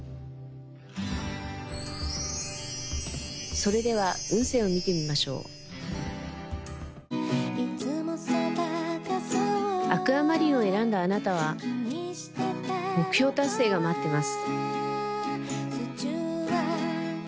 それでは運勢を見てみましょうアクアマリンを選んだあなたは目標達成が待ってます